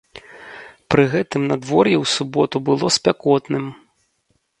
Пры гэтым надвор'е ў суботу было спякотным.